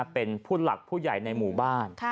เป็นผู้หลักผู้ใหญ่ในหมู่บ้าน